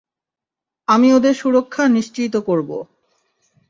আমি ওদের সুরক্ষা নিশ্চিত করব।